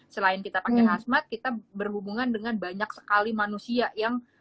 selain kita pakai hasmat kita berhubungan dengan banyak sekali manusia yang